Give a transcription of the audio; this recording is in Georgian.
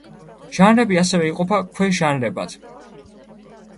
ჟანრები ასევე იყოფა ქვე–ჟანრებად.